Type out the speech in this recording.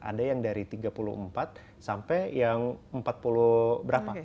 ada yang dari tiga puluh empat sampai yang empat puluh berapa